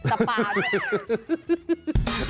สปาด้วย